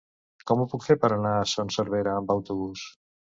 Com ho puc fer per anar a Son Servera amb autobús?